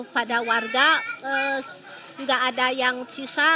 pada warga nggak ada yang sisa